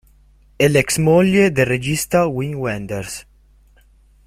È l'ex-moglie del regista Wim Wenders.